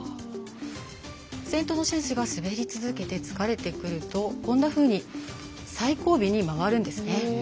先頭の選手が滑り続けて疲れてくると、こんなふうに最後尾に回るんですね。